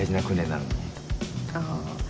ああ。